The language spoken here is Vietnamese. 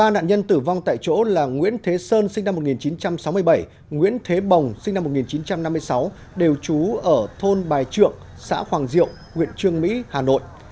ba nạn nhân tử vong tại chỗ là nguyễn thế sơn sinh năm một nghìn chín trăm sáu mươi bảy nguyễn thế bồng sinh năm một nghìn chín trăm năm mươi sáu đều trú ở thôn bài trượng xã hoàng diệu huyện trương mỹ hà nội